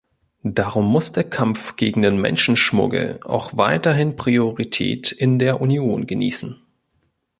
Darum muss der Kampf gegen den Menschenschmuggel auch weiterhin Priorität in der Union genießen.